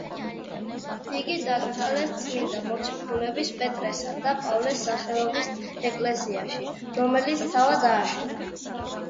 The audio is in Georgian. იგი დაკრძალეს წმინდა მოციქულების პეტრესა და პავლეს სახელობის ეკლესიაში, რომელიც თავად ააშენა.